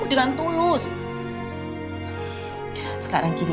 tapi ada yang patricia mau ngomong